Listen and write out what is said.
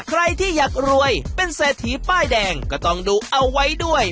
ใครที่อยากรวยเป็นเศรษฐีป้ายแดงก็ต้องดูเอาไว้ด้วย